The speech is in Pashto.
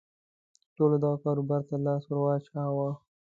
ټولو دغه کاروبار ته لاس ور واچاوه.